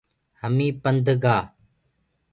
همي پنڌ گآ۔